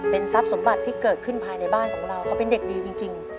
ทรัพย์สมบัติที่เกิดขึ้นภายในบ้านของเราเขาเป็นเด็กดีจริง